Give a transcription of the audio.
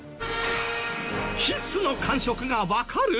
キスの感触がわかる！？